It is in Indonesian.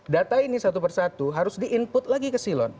data ini satu persatu harus di input lagi ke silon